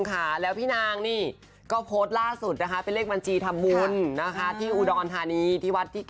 ก่อนพี่นางสิริพรเนี่ยงวดที่แล้วถูก